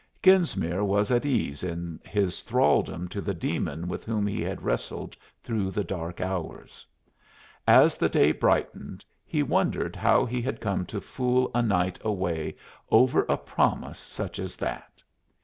Genesmere was at ease in his thraldom to the demon with whom he had wrestled through the dark hours. As the day brightened he wondered how he had come to fool a night away over a promise such as that.